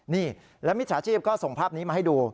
นี่แล้วมิจฉาชีพก็ส่งภาพนี้มาให้ดู